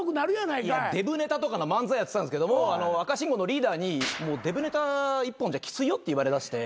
デブネタとかの漫才やってたんですけど赤信号のリーダーにもうデブネタ一本じゃきついよって言われだして。